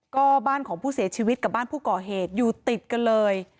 ก็บ้านของผู้เสียชีวิตกับบ้านผู้ก่อเหตุอยู่ติดกันเลย